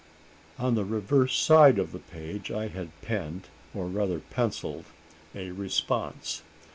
On the reverse side of the page I had penned, or rather pencilled, a response.